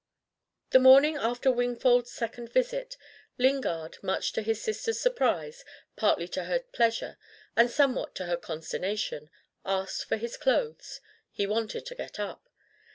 The morning after Wingfold's second visit, Lingard, much to his sister's surprise, partly to her pleasure, and somewhat to her consternation, asked for his clothes: he wanted to get up.